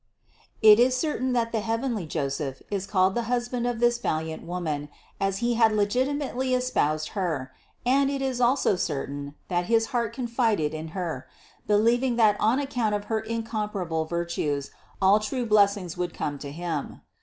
It is certain that the heavenly Joseph is called the husband of this valiant Woman, as he had legitimately espoused Her; and it is also certain, that his heart confided in Her, believing that on account of her incomparable vir tues all true blessings would come to him.